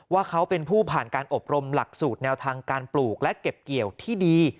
ว่าเขาเป็นผู้ผ่านการอบรมหลักสูตรแนวทางการปลูกและเก็บเกี่ยวที่ดี